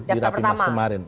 di rapi mas kemarin